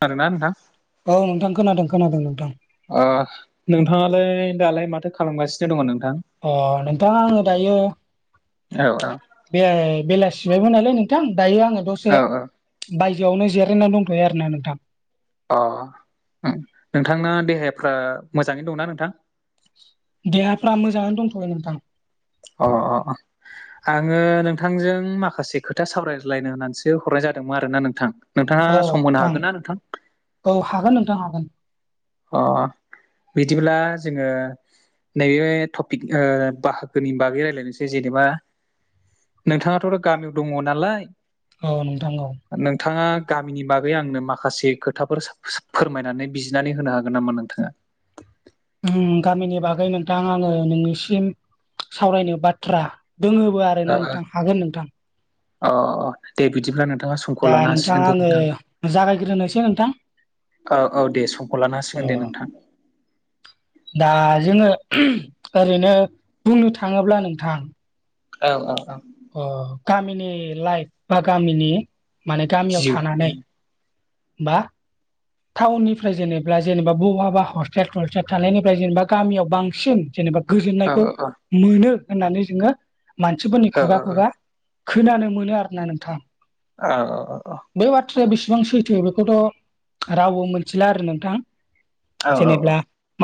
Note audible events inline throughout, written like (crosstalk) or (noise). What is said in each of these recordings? खोनादों ना नोंथां? औ नोंथां खोनादों खोनादों नोंथां। नोंथाङालाय दालाय माथो खालामगासिनो दङ नोंथां? अ नोंथां आङो दायो औ औ (inaudible) बे बेलासिबायमोन नालाय नोंथां दायो आङो दसे औ बायजोआवनो जिरायनानै दंथ'यो आरोना नोंथां। अ उम नोंथांना देहाफ्रा मोजाङैनो दंना नोंथां? देहाफ्रा मोजाङानो दंथ'बाय नोंथां। अ अ अ। आङो नोंथांजों माखासे खोथा सावरायज्लायनो होननानैसो हरनाय जादोंमोन आरोना नोंथां। नोंथाङा अ सम होनो नोंथां हागोन ना नोंथां औ हागोन नोंथां हागोन। अ बिदिब्ला जोङो नैबे टपिक ओ बाहागोनि बागै रायजलायनोसै जेनेबा नोंथाङाथ' गामियाव दङ नालाय। औ नोंथां औ। नोंथाङा गामिनि बागै आंनो माखासे खोथाफोर सा-सा फोरमायनानै बिजिनानै होनो हागोन नामा नोंथाङा? उम गामिनि बागै नोंथां आङो नोंनिसिम सावरायनो बाथ्रा दोङोबो आरोना ओ नोंथां हागोन नोंथां। अ दे बिदिब्ला नोंथाङा समखौ दा लानो हासिगोन दे आङो नोंथां। (inaudible) जागायग्रोनोसै नोंथां औ औ दे समखौ लानो अ हासिगोन दे नोंथां। दा जोङो ओहोम ओरैनो बुंनो थाङोब्ला नोंथां औ औ औ। अ गामिनि लाइफ बा गामिनि माने गामियाव जिउ थानानै (inaudible) बा टाउननिफ्राय जेनेा जेनेबा बबहाबा हस्टेल थस्टेल थानायनिफ्राय जेनेबा गामियाव बांसिन जेनेबा औ गोजोननायखौ औ औ मोनो होननानै जोङो मानसिफोरनि औ खुगा खुगा खोनानो मोनो आरोना नोंथां। औ औ औ औ। बे बाथ्राया बेसेबां सैथो बेखौथ' रावबो मोनथिला आरो नोंथां। औ जेनेबब्ला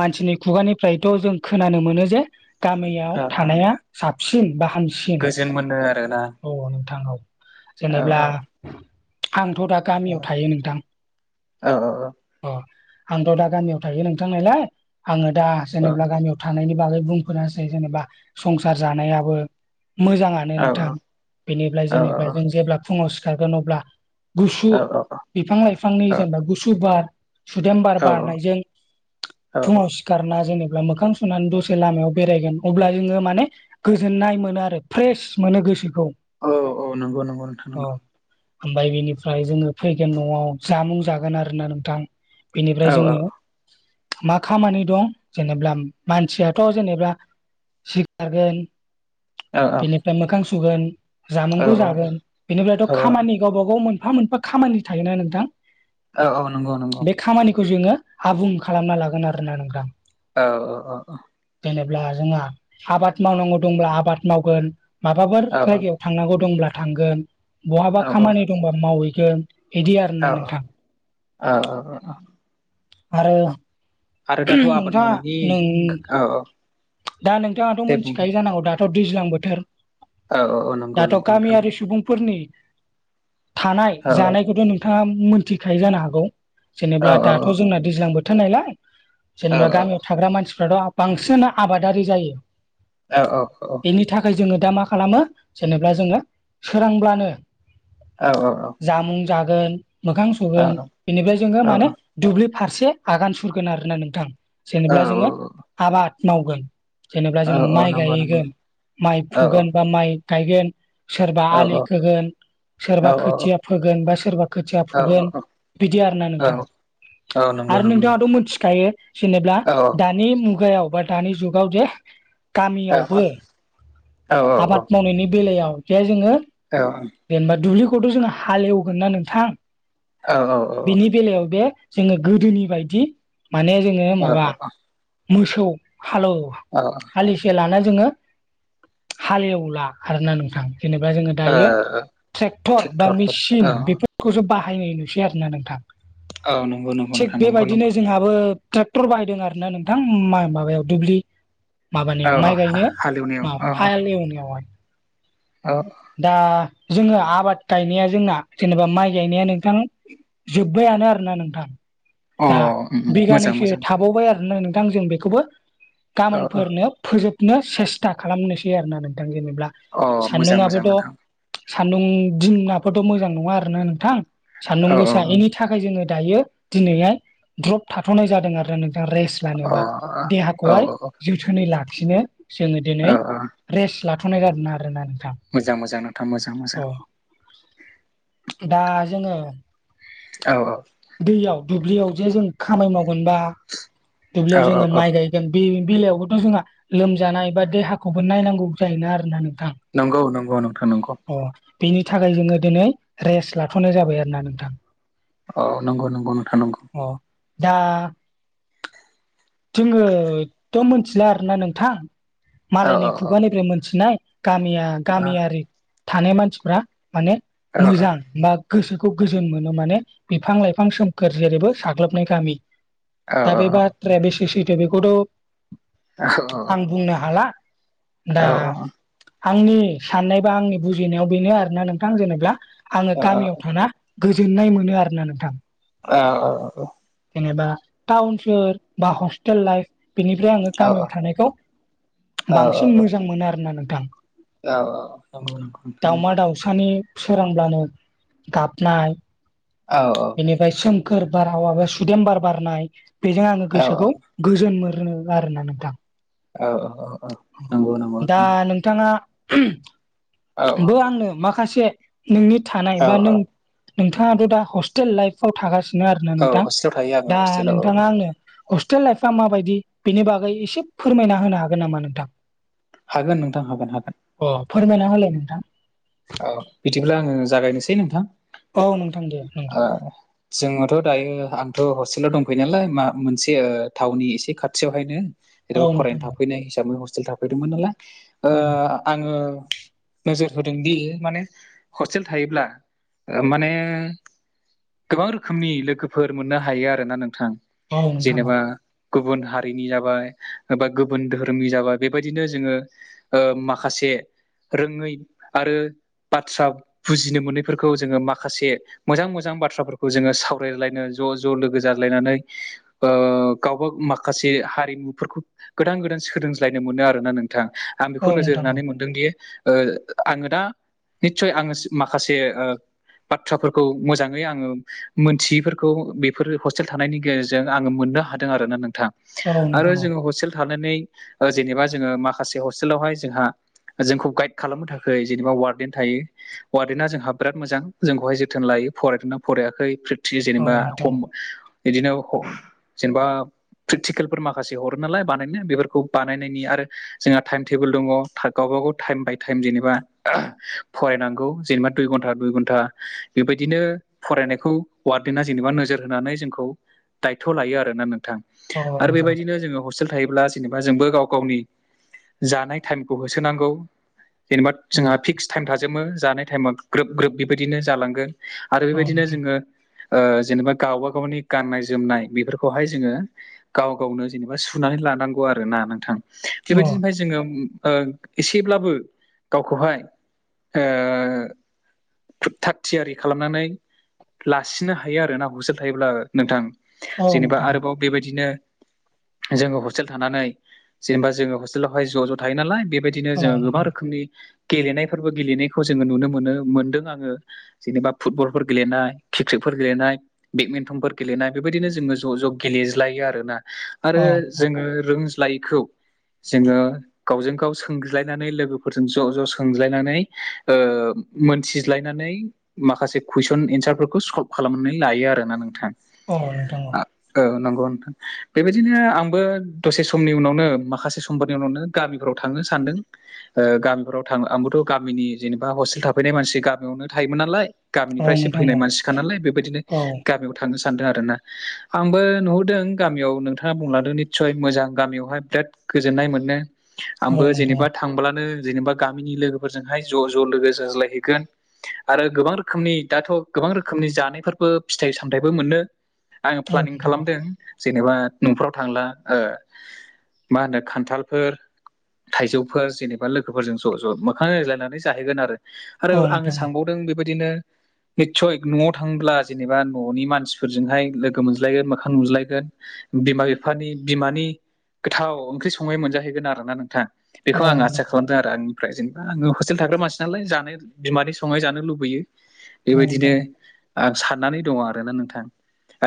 मानसिनि खुगानिफ्रायथ' जों खोनानो मोनो जे गामियाव औ थानाया साबसिन बा हामसिन जेन मोनो आरोना? औ नोंथां औ औ जेनेबा औ आंथ' दा ग औ गामियाव थायो नोंथां। औ (inaudible) अ आंथ' दा गामियाव थायो नोंथां नायय आङो दा औ जेनेबा गामियाव थानायनि बागै बुंफोरना होसै जेनेबा संसार जानायाबो मोजाङानो नोंथां। बेनिफ्राय जेनेबा जों जेब्ला फुङाव सिखारगोन अब्ला गुसु औ औ बिफां लाइफांनि जेनेबा गुसु बार सुदेम बार बारनायजों फुङा सिखारना जेनेबा मोखां सुनानै दसे लामायाव बेरायगोन अब्ला जोङो माने गोजोननाय मोनो आरो फ्रेस मोनो गोसोखौ। औ औ नंगौ नंगौ नोंथां अ नंगौ। ओमफ्राय बिनिफ्राय जोङो फैगोन न'आव जामुं जागोन आरोना नोंथां। बेनिफ्राय औ औ जोङो मा खामानि दं जेनेबा मानसियाथ' जेनेबा थिक थागोन। औ बेनिफ्राय मोखां सुगोन औ जामुंखौ जागोन बेनिफ्रायथ' औ खामानि गावबा गाव मोनफा मोनफा खामानि थायोना नोंथां औ औ नंगौ नंगौ बे खामानिखौ जोङो आबुं खालामना लागोन आरोना नोंथां। औ औ औ औ। जेनेब्ला जोंहा आबाद मावनांगौ दंब्ला आबाद मावगोन माबाफोर औ जायगायाव थांनांगौ दंब्ला थांगोन बहाबा औ खामानि दंबा मावहैगोन। बिदि आरोना औ नोंथां औ औ आरो आरो दाथ' आबाद नोंथा मावनायनि नै औ औ दा नोंथाङाथ' दे बुं दे मिथिखायो जानांगौ दाथ' दैज्लां बोथोर औ औ औ नंगौ दाथ' नंगौ नोंथां गामियारि सुबुंफोरनि थानाय औ जानायखौथ' नोंथाङा मोनथिखायो जानो हागौ। औ जेनेबा औ दाथ' जोंना दैज्लां बोथोर नालाय औ जेनेबा गामियाव थाग्रा मानसिफ्राथ' बांसिन आबादारि जायो। औ औ औ औ। बेनि थाखाय जोङो दा मा खालामो जेनेबा जोङो सोरांब्लानो औ औ औ। जामुं जागोन मोखां सुगोन बेनिफ्राय जोङो माने दुब्लि फारसे आगान सुरगोन आरो ना नोंथां जेनेबा जोङो आबाद मावगोन। जेनेबा औ जोङो औ माइ नंगौ नंगौ गायहैगोन माइ औ फुगोन बा माइ गायगोन सोरबा औ आलि खोगोन औ सोरबा खोथिया फोगोन बा सोरबा खोथिया औ फुगोन बिदि आर ना औ नोंथां। औ नंगौ आरो नंगौ नोंथाङाथ' नंगौ मिथिखायो जेनेब्ला दा औ दानि मुगायाव बा दानि जुगाव जे औ गामियावबो आबाद मावनायनि बेलायाव जे जोङो औ जेनेबा दुब्लिखौथ' जोङो हालेवगोन ना नोंथां औ बेनि ओ बेलायाव बे जोङो गोदोनि बायदि माने जोङो माबा मोसौ हालेव अ हालिसे लाना जोङो हालेवला खारोना नोंथां। जेनेबा जोङो दायो ट्रेक्टर बा ट्रेक्टरफोर मेचिन औ बेफ खौसो बाहायनाय नुसै आरोना नोंथां औ नंगौ नंगौ थिग नोंथां नंगौ बेबायदिनो नंगौ जोंहाबो ट्रेक्टर बायदों आर ना नोंथां माबायाव दुब्लि औ माबानिाव औ माइ गायनो हालेवनायाव मा औ हालेवेलनियावहाय। औ दा जोङो आबाद गायनाया जोंना जेनेबा माइ गायनाया नोंथां जोब्बायानो आरोना नोंथां औ अ दा मोजां बिगानैसो मोजां थाबावबाय आरोना नोंथ थां जों बेखौबो औ औ गाबोनफोरनो फोजोबनो सेस्था खालामनोसै आरोना नोंथां जेनेबा। अ मोजां मोजां नोंथां। सान्दुं दिमनाबोथ' मोजां नङा आरोना नोंथां सान्दुं औ औ गोसा औ एनि थाखाय जोङो दायो दिनैहाय द्रप थाथ'नाय जादों आरो नों रेस अ औ लानोबा औ देहाखौहाय औ जो बोथोनै लाखिनो जोङो औ दिनै औ रेस्ट लाथ'नाय जादों आरोना नोंथां। मोजां मोजां। थां मोजां। मोजां अ दा जोङो औ औ। दैयाव दुब्लियाव जे जों खामाय मावगोनबा औ दुब्लियाव औ जोङो औ माइ गाय बे बेलायावबोथ' जोंहा लोमजानाय बा देहाखौबो नायनांगौ जायोना आरोना नोंथां। नंगौ नंगौ नोंथ नंगौ। अ बेनि थाखाय जोङो दिनै रेस्ट लाथ'नाय जाबाय आरोना नोंथां। औ नंगौ नंगौ नोंथां नंगौ। अ दा जोङोथ' मिथिला आरोना नोंथां औ औ मालायनि औ खुगानिफ्राय मोनथिनाय गामिया औ गामियारि थानाय मानसिफ्रा माने औ मोजां बा गोसोखौ गोजोन मोनो माने बिफां लाइफां सोमखोर जेरैबो साग्लोबनाय गामि औ द बे बाथ्राया बेसे सैथो बेखौथ' आं बुंनो हाला दा औ आंनि साननाय बा आंनि बुजिनायाव बेनो आरोना नोंथां जेनेबा आङो गामियाव थाना गोजोननाय मोनो आरो ना नोंथां आ ओ औ जेनेबा टाउन सोर बा हस्टेल लाइफ बेनिफ्राय आङो औ गामियाव थानायखौ बांसिन मोजां मोनो आरोना नोंथां औ औ नंगौ नंगौ नोंथां सानि सोरांब्लानो गाबनाय औ औ बेनिफ्राय सोमखोर बारहावा बा सुदेमबार बारनाय बेजों आङो औ गोसोखौ गोजोन मोनो आरोना नोंथां औ औ औ औ दा नोंथाङा औ बो आंनो माखासे नोंनि थानाय औ बा नों नोंथाङाथ' दा हस्टेल लाइफव थागासिनो आरोना औ नोंथां हस्टेलाव थायो आङो दा हस्टेलाव औ नोंथाङा आंनो हस्टेल लाइफआ माबायदि बेनि बागै एसे फोरमायना होनो हागोन नामा नोंथां। हागोन नोंथां हागोन हागोन। अ फोरमायना होलाय नोंथां। औ बिदिब्ला आङो जागायनोसै नोंथां। औ नोंथां दे नोंथां। जोंङोथ' दायो आंथ' हस्टेलाव दंफैयो नालाय मा मोनसे थाउननि एसे खाथियावहायनो औ जेन'बा नोंथां फरायनो औ थाफैनाय हिसाबै हस्टेल थाफैदोंमोन नालाय औ आङो नोजोर होदोंदि माने हस्टेल थायोब्ला माने गोबां रोखोमनि लोगोफोर मोननो हायो आरोना नोंथां नोंथां जेनेबा गुबुन हारिनि जाबाय बबा गुबुन धहोरोमनि जाबाय बेबायदिनो जोङो माखासे रोङै आरो बाथ्रा बुजिनो मोनैफोरखौ जोङो माखासे मोजां मोजां बाथ्राफोरखौ जोङो सावरायलायनो ज' ज' लोगो जाज्लायनानै गावबा माखासे हारिमुफोरखौ गोदान गोदान सोलोंज्लायनो मोनो आरोना नोंथां आं बेखौ औ नोजोर नोंथां होनानै मोनदोंदि आङो दा निसय आङो माखासे बाथ्रा खौ मोजाङै आङो मोनथियैफोरखौ बेफोर हस्टेल थानायनि गेजेरजों आङो मोननो हादों आरोना नोंथां। औ नोंथां औ आरो नोंथां जोङो हस्टेल थानानै जेनेबा जोङो माखासे हस्टेलावहाय जोंहा जोंखौ गाइद खालामनो थाखाय जेनेबा वार्डेन थायो वार्डेना जोंहा बिराद मोजां जोंखौहाय जोथोन लायो फरायदोंना फरायाखै प्रिथि जेनेबाम बिदिनो जेनेबा प्रेकटिकेलफोर माखासे हरो नालाय बानायनो बेफोरखौ बानायनायनि आरो जोंहा टाइम टेबोल दङ। गावबाागाव टाइम बाय टाइम जेनेबा फरायनांगौ जेनेबा दुइ घन्टा दुइ घन्टा बेबायदिनो फरायनायखौ वार्डनाआ जेनेबा नोजोर होनानै जोंखौ दायथ' लायो आरोना नोंथां औ आरो नोंथां बेबायदिनो जोङो हसल थायोब्ला जेनेबा जोंबो गाव गावनि जानाय टाइमखौ होसोनांगौ। जेनेबा औ जोंहा फिक्स टाइम थाजोबो जानाय टाइमा ग्रोब ग्रोब बेबायदिनो जालांगोन। आरो औ बेबायदिनो नोंथां जोङो जेनेबा गावबा गावनि गाननाय जोमनाय बेफोरखौहाय जोङो गाव गावनो जेनेबा सुनानै लानांगौ आरो ना नोंथां औ बेबायदिफ्राय जोङो एसेब्लाबो गावखौहाय थाग‌ थियारि खालामनानै लासिनो हायो आरो ना हसेे थायोब्ला नोंथां। औ जेनेबा नोंथां औ आरोबाव बेबायदिनो जोङो हस्टेल थानानै जेनेबा जोङो हस्टेलावहाय ज' ज' थायो नालाय बेबायदिनो जोङो गोबां रो रोखोमनि गेलेनायफोरबो गेलेनायखौ जोङो नुनो मोनो मोनदों आङो जेनेबा फुटबलफोर गेलेनाय क्रिकेटफोर गेलेनाय बेडमिन्टनफोर गेलेनाय बेबायदिनो जोङो ज' ज' गेलेज्लायो आरोना आरो जोङो रोंज्लायैखौ जोङो गावजों गाव सोंज्लायनानै लोगोफोरजों ज' ज' सोंज्लायनानै ओ मोनथिज्लायनानै माखासे कुइसन एन्सारफोरखौ सल्भ खालामनानै लायो आरोना नोंथां। अ नोंथां अ औ नंगौ बेबायदिनो आंबो दसे समनि उनावनो माखासे समफोरनि उनावनो गामिफ्राव थांनो सानदों। ओ गामिफोराव थां आंबोथ' गामिनि जेनेबा हस्टेल थाफैनाय मानसि गामियावनो थायोमोन नालाय औ नोंथां औ नोंथां औ नोंथां औ गामिनिफ्रायसो नोंथां फैनाय मानसिखा नालाय बेबायदिनो औ गामियाव थांनो सानदों आरो ना। आंबो नुहुरदों गामियाव नोंथाङा बुंलादों निस्सय मोजां गामियावहाय बिराद गोजोननाय मोनो आंबो औ नोंथां औ नोंथां औ नोंथां औ नोंथां औ नोंथां औ जेनेबा थांब्लानो जेनेबा गामिनि लोगोफोरजोंहाय ज' ज' लोगो जाज्लायहैगोन आरो गोबां रो रोखोमनि दाथ' गोबां रोखोमनि जानायफोरबो फिथाइ सामथाइबो मोननो आं प्लानिं खालामदों। जेनेबा न'फ्राव थांला ओ मा होनो खान्थालफोर थाइजौफोर जेनेबा लोगोफोरजों ज' ज' मोखां नायज्लायनानै जाहैगोन आरो। आरो आङो सानबावदों बेबायदिनो निस्सय न'आव थाङोब्ला जेनेबा न'नि मानसिफोरजोंहाय लोगो मोनज्लायगोन मोखां नुज्लायगोन। बिमा बिफानि बिमानि गोथाव ओंख्रि संनाय मोनजाहैगोन आरोना नोंथां। बेखौ आं आसा खालामदों आरो आंनिफ्राय जेनेबा आङो हस्टेल थाग्रा मानसि नालाय जानो बिमानि संनाय जानो लुबैयो। बेबायदिनो आं साननानै दङ आरोना नोंथां।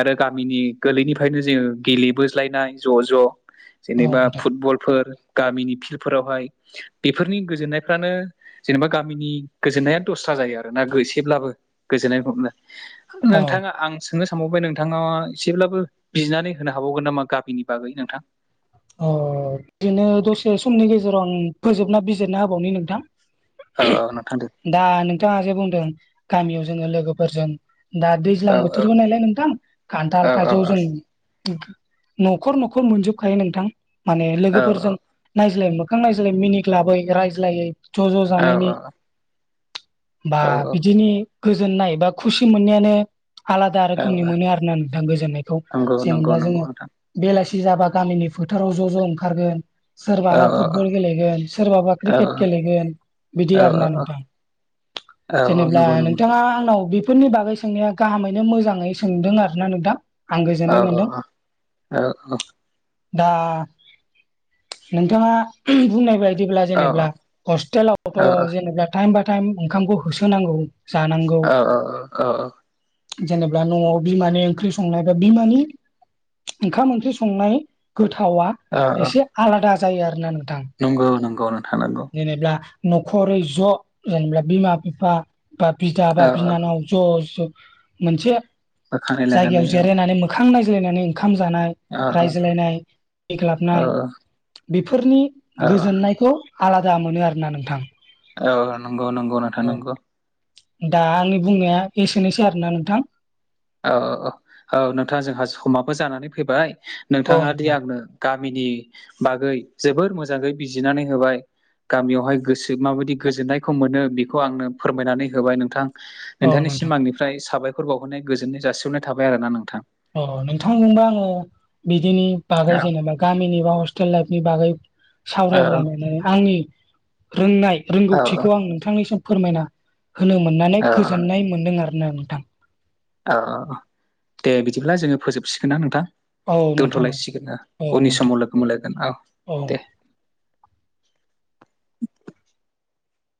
आरो गामिनि गोरलैनिफ्रायनो जोङो गेलेबोज्लायनाय ज' ज'। जेनेबा नोंथां फुटबलफोर गामिनि फिल्डफोरावहाय बेफोरनि गोजोननायफ्रानो जेनेबा गामिनि गोजोननाया दस्रा जायो आरोना एसेब्लाबो गोजोननाय (unintelligible) औ नोंथाङा आं सोंनो सानबावबाय नोंथाङा एसेब्लाबो बिनानै होनो हाबावगोन नामा गामिनि बागै नोंथां। अ बिदिनो दसे समनि गेजेराव आं फोजोबना बिजिरना होबावनि नोंथां। औ औ नोंथां दे दा नोंथाङा जे बुंदों गामियाव जोङो लोगोफोरजों दा दैज्लां औ बोथोरबो नालाय नोंथां खान्थाल औ औ थाइजौ औ जों न'खर न'खर मोनजोबखायो नोंथां माने औ लोगोफोरजों नायज्लायै मोखां नायज्लायै मिनिग्लाबै रायज्लायै ज' ज' जानायनि बा औ बिदिनि गोजोननाय बा खुसि मोननायानो आलादा औ रोखोमनि मोनो आरोना नोंथां गोजोननायखौ नंगौ नंगौ जेनेबा जोङो नंगौ नोंथां बेलासि जाबा गामिनि फोथाराव ज' ज' ओंखारगोन। औ सोरबाबा फुटबल गेलेगोन सोरबाबा औ क्रिकेट गेलेगोन बिदि औ आरोना औ नोंथां। औ औ जेनेबा नंगौ नंगौ नोंथाङा आंनाव बेफोरनि बागै सोंनाया गाहामैनो मोजाङै सोंदों आरो ना नोंथां। आं गोजोननाय औ मोनदों औ औ औ औ। दा नोंथाङा बुंनाय बाय बदिब्ला औ जेनेबा हस्टेलावथ' औ जेनेबा टाइम बाय टाइम ओंखामखौ होसोनांगौ। जानांगौ। औ जेनेब्ला न'आव बिमानि ओंख्रि संनाय बा बिमानि ओंखाम ओंख्रि संनाय गोथावा औ एसे आलादा जायो आरोना नोंथां। नंगौ नंगौ नोंथां नंगौ। जेनेबा न'खरै ज' ओनब्ला बिमा बिफा बा बिदा बा औ औ बिनानाव ज' ज' मोनसे बोखांनाय लानानै जायगायाव औ जिरायनानै मोखां नायज्लायनानै ओंखाम जानाय औ रायज्लायनाय (unintelligible) औ ग्लाबनाय बेफोरनि औ गोजोननायखौ आलादा मोनो आरोना नोंथां औ नंगौ नंगौ नो अ दा आंनि बुंनाया एसेनोसै आरोना नोंथां औ औ नोंथां जोंहा समाबो जानानै फैबाय औ नोंथाङा दि नोंथां आंनो गामिनि बागै जोबोर मोजाङै बिजिनानै होबाय गामियावहाय गोसो माबायदि गोजोन्नायखौ मोनो बेखौ आंनो फोरमायनानै होबाय नोंथां औ नोंथां नोंथांनिसिम आंनिफ्राय साबायखर बावहरनाय गोजोननाय जासिहरनाय थाबाय आरो ना नोंथां अ नोंथां जोंबा आङो बिदिनि बागै औ जेनेबा गामिनि बा हस्टेल लाइफनि बागै औ सावरायलायनानै आंनि रोंनाय औ रोंगौथिखौ आं नोंथांनिसिम फोरमायना होनो मोननानै औ गोजोननाय मोन्दों आरोना नोंथां औ दे बिदिब्ला जोङो फोजोबसिगोन ना नोंथां औ नोंथां दोनथ'लायसिगोन औ उननि नोंथां समाव लोगो मोनलायगोन औ औ दे